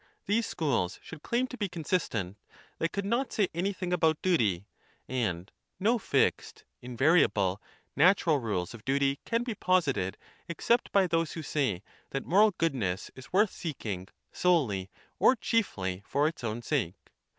ii iii schools should claim to be consistent, they could not say anything about duty ; and no fixed, invariable, natural rules of duty can be posited except by those who say that moral goodness is worth seeking solely or chiefly for its own sake.